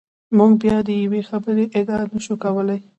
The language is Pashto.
موږ بیا د یوې خبرې ادعا نشو کولای.